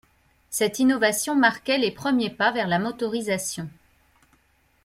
Cette innovation marquait les premiers pas vers la motorisation.